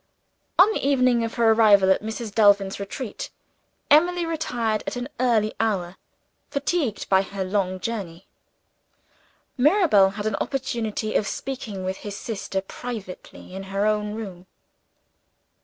On the evening of her arrival at Mrs. Delvin's retreat, Emily retired at an early hour, fatigued by her long journey. Mirabel had an opportunity of speaking with his sister privately in her own room.